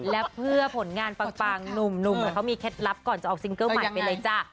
และเพื่อผลงานปังหนุ่มเขามีเคล็ดลับก่อนจะออกซิงเกิ้ลใหม่ไปเลยจ้ะ